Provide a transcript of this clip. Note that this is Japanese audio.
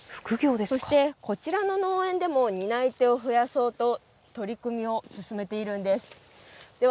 そして、こちらの農園でも、担い手を増やそうと取り組みを進めているんです。